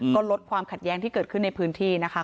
ก็ลดความขัดแย้งที่เกิดขึ้นในพื้นที่นะคะ